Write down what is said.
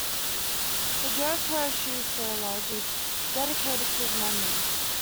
The Joe Crow Shoe Sr. Lodge is dedicated to his memory.